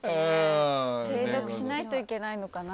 継続しないといけないのかな。